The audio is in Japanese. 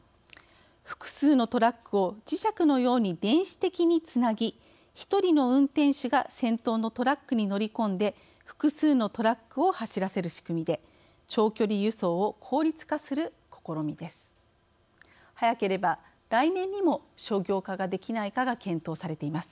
複数のトラックを磁石のように電子的につなぎ１人の運転手が先頭のトラックに乗り込んで複数のトラックを走らせる仕組みで長距離輸送を効率化する試みです。